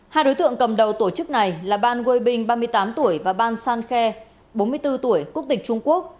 hai đối tượng cầm đầu tổ chức này là ban wei bing ba mươi tám tuổi và ban san khe bốn mươi bốn tuổi quốc tịch trung quốc